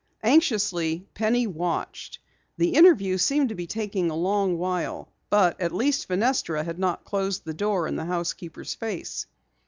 Anxiously, Penny watched. The interview seemed to be taking a long while, but at least Fenestra had not closed the door in the housekeeper's face.